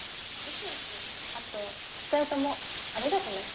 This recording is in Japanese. あと２人ともありがとね。